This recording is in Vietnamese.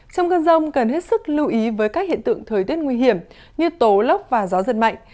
trong cơn rông cần hết sức lưu ý với các hiện tượng thời tiết nguy hiểm như tố lốc và gió giật mạnh